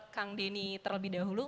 kang deni terlebih dahulu